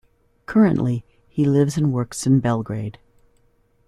Currently, he lives and works in Belgrade.